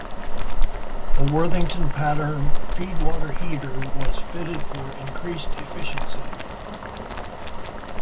A Worthington-pattern feedwater heater was fitted for increased efficiency.